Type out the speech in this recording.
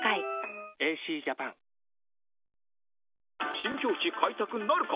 新境地開拓なるか？